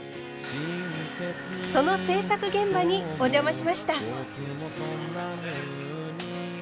その制作現場にお邪魔しました。